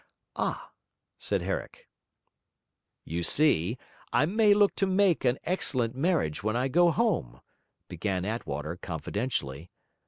'Ah!' said Herrick. 'You see, I may look to make an excellent marriage when I go home,' began Attwater, confidentially.